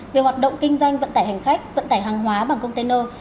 về hoạt động kinh doanh vận tải hành khách vận tải hàng hóa bằng container